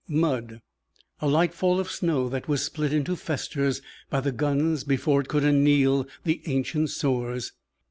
Mud. A light fall of snow that was split into festers by the guns before it could anneal the ancient sores.